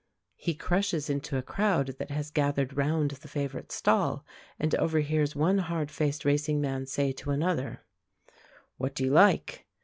He crushes into a crowd that has gathered round the favourite's stall, and overhears one hard faced racing man say to another, "What do you like?"